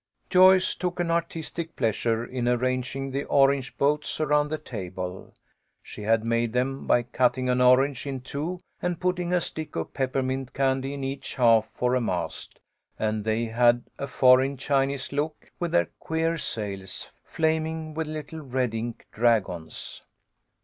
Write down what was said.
Joyce took an artistic pleasure in arranging the orange boats around the table. She had made them A FEAST OF SAILS. 95 by cutting an orange in two, and putting a stick of peppermint candy in each half for a mast, and they had a foreign, Chinese look with their queer sails, flaming with little red ink dragons.